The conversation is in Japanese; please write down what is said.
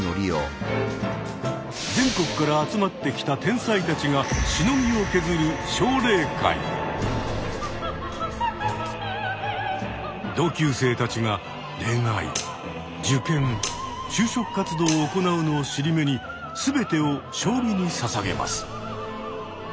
全国から集まってきた天才たちが同級生たちが就職活動を行うのを尻目に全てを将棋にささげます。